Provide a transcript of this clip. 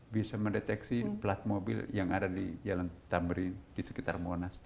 bisa mendeteksi plat mobil yang ada di jalan tamrin di sekitar monas